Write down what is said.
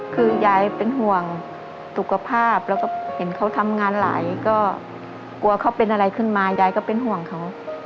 คือยายเป็นห่วงสุขภาพแล้วก็เห็นเขาทำงานไหลก็กลัวเขาเป็นอะไรขึ้นมายายก็เป็นห่วงเขา